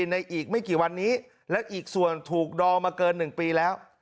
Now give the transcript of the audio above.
ในอีกไม่กี่วันนี้และอีกส่วนถูกดองมาเกิน๑ปีแล้ว